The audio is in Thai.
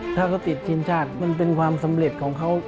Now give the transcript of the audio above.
ถ้าเขาติดทีมชาติมันเป็นความสำเร็จของเขา